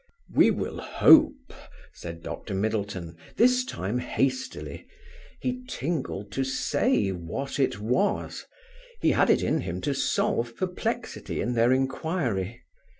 "We will hope," said Dr. Middleton, this time hastily. He tingled to say, "what it was": he had it in him to solve perplexity in their inquiry.